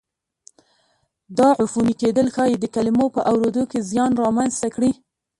دا عفوني کېدل ښایي د کلمو په اورېدو کې زیان را منځته کړي.